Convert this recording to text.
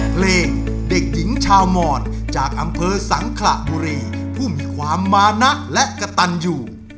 เพลงเด็กหญิงชาวมอนจากอำเภอสังขระบุรีผู้มีความมานะและกระตันอยู่